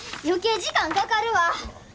余計時間かかるわ！